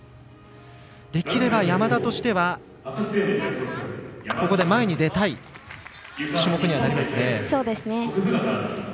できれば山田としてはここで前に出たい種目にはなりますね。